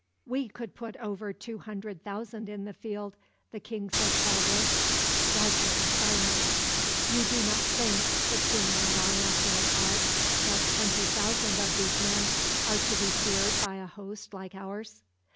"We could put over two hundred thousand in the field," the king said proudly. Roger was silent. "You do not think," the king went on after a pause, "that twenty thousand of these men are to be feared by a host like ours?"